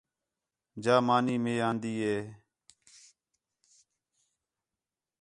جا مانی مئے آندی ہے